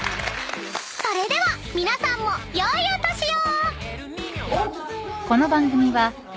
［それでは皆さんもよいお年を！］